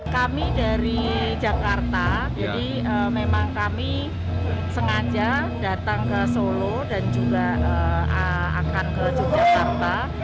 kami dari jakarta jadi memang kami sengaja datang ke solo dan juga akan ke yogyakarta